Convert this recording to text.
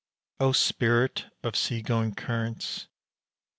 O spirit of sea going currents!